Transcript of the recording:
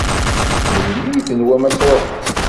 Melmi i tenwam ad tṛuḥem?